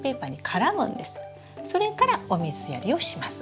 それからお水やりをします。